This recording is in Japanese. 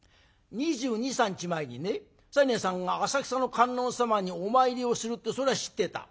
２２２３日前にね西念さんが浅草の観音様にお参りをするってそれは知ってた。